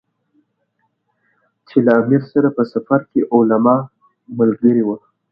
چې له امیر سره په سفر کې علما ملګري ول.